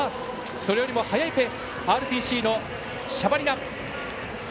それよりも速いペースＲＰＣのシャバリナ。